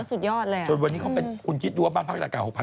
เขาสุดยอดเลยอ่ะจนวันนี้เขาเป็นคุณคิดด้วยว่าพักตากอากาศ๖๐๐๐กว่าล้าน